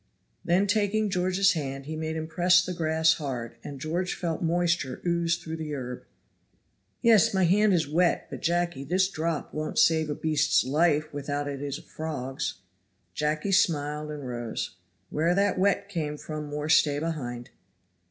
Then taking George's hand he made him press the grass hard, and George felt moisture ooze through the herb. "Yes, my hand is wet, but, Jacky, this drop won't save a beast's life without it is a frog's." Jacky smiled and rose. "Where that wet came from more stay behind."